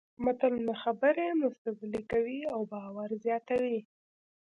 متلونه خبرې مستدللې کوي او باور زیاتوي